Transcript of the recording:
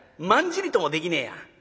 まんじりともできねえや。